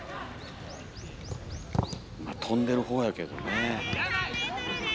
飛んでる方やけどね。